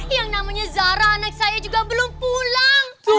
yang namanya zara anak saya juga belum pulang